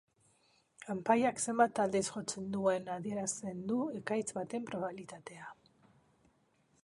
Kanpaiak zenbat aldiz jotzen duen adierazten du ekaitz baten probabilitatea.